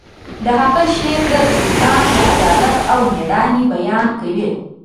د هغه شعر د سلطان د عدالت او میړانې بیان کوي